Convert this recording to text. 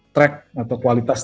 track atau kualitas